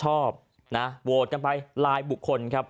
โห้หลายบุคล